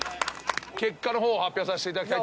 結果を発表させていただきたい。